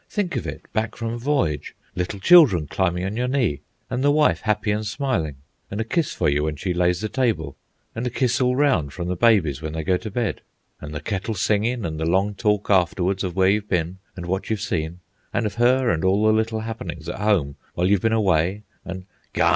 Think of it, back from a voyage, little children climbing on your knee, and the wife happy and smiling, and a kiss for you when she lays the table, and a kiss all round from the babies when they go to bed, and the kettle singing and the long talk afterwards of where you've been and what you've seen, and of her and all the little happenings at home while you've been away, and—" "Garn!"